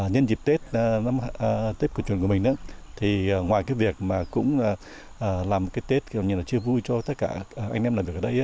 nhân dịp tết tết của chuẩn của mình ngoài cái việc mà cũng làm cái tết chưa vui cho tất cả anh em làm việc ở đây